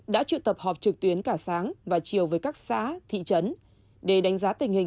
đã trự tập họp trực tuyến cả sáng và chiều với các xã thị trấn để đánh giá tình hình